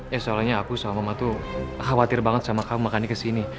ya soalnya aku sama mama tuh khawatir banget sama kamu makannya kesini